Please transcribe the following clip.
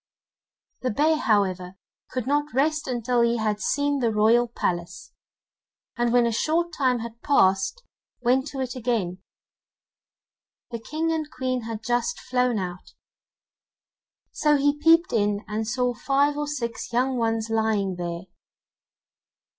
The bear, however, could not rest until he had seen the royal palace, and when a short time had passed, went to it again. The King and Queen had just flown out, so he peeped in and saw five or six young ones lying there.